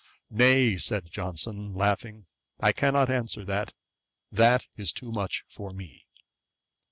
'Nay, (said Johnson, laughing,) I cannot answer that: that is too much for me.'